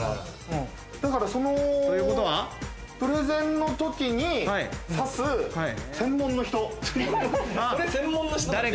だから、そのプレゼンの時に指す専門の人。